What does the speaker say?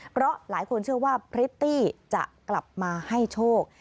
เพราะหลายคนเชื่อว่าพริตตี้จะกลับมาให้โชค